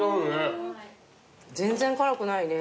全然辛くないね。